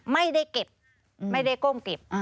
ไม่ได้เก็บไม่ได้ก้มเก็บ